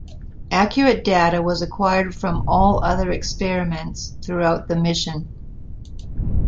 Accurate data was acquired from all other experiments throughout the mission.